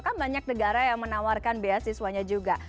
kan banyak negara yang menawarkan beasiswanya juga